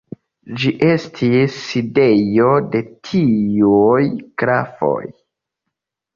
Ĝi estis sidejo de tiuj grafoj.